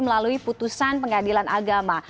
melalui putusan pengadilan agama